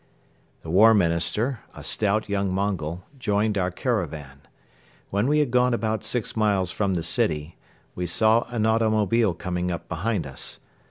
The War Minister, a stout, young Mongol, joined our caravan. When we had gone about six miles from the city, we saw an automobile coming up behind us.